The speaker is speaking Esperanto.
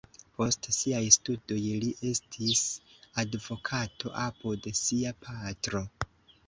Post siaj studoj li estis advokato apud sia patro.